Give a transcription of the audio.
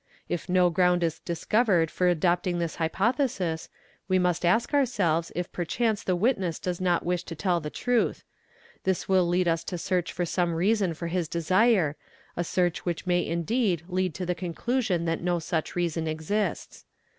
If no ground is discovered for adopting this hypothesis, we must ask ourselves if perchance the witness does not wish to tell the truth; this will lead us to search for some reason for his desire, a search which may indeed lead to the conclusion that no such reason exists.